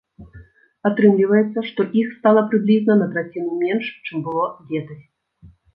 Атрымліваецца, што іх стала прыблізна на траціну менш, чым было летась.